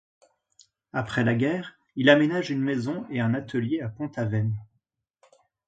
Après la guerre, il aménage une maison et un atelier à Pont-Aven.